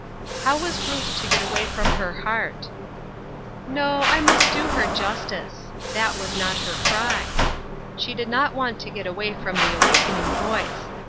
'' How was Ruth to get away from her heart ? No, I must do her justice ; that was not her cry. She did not want to get away from the awakening voice.